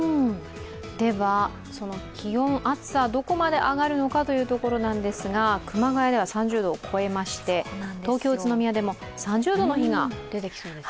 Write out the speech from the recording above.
ではその気温、暑さはどこまで上がるのかということですが熊谷では３０度を超えまして東京、宇都宮でも３０度の日が出てきます。